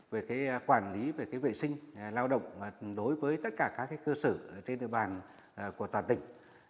về quản lý về vệ sinh lao động đối với tất cả các cơ sở trên địa bàn của toàn tỉnh